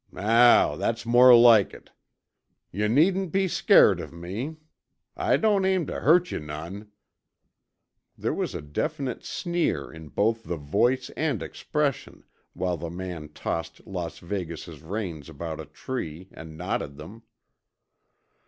"Now, that's more like it. Yuh needn't be scairt of me; I don't aim tuh hurt yuh none." There was a definite sneer in both the voice and expression while the man tossed Las Vegas' reins about a tree and knotted them.